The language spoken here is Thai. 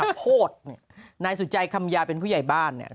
โพธิเนี่ยนายสุจัยคำยาเป็นผู้ใหญ่บ้านเนี่ย